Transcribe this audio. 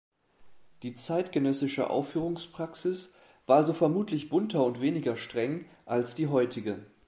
Die zeitgenössische Aufführungspraxis war also vermutlich bunter und weniger streng als die heutige.